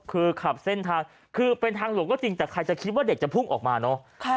คือขับเส้นทางคือเป็นทางหลวงก็จริงแต่ใครจะคิดว่าเด็กจะพุ่งออกมาเนอะ